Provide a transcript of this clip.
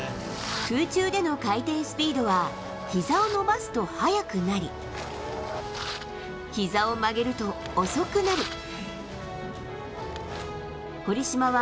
空中での回転スピードは、ひざを伸ばすと速くなり、ひざを曲げると遅くなる。